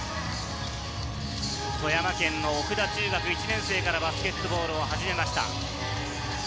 富山県の奥田中学１年生からバスケットを始めました。